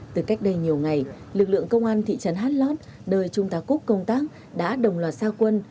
từ cách đây nhiều ngày lực lượng công an thị trấn hát lót nơi trung tá cúc công tác đã đồng loạt xa quân